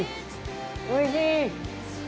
おいしい！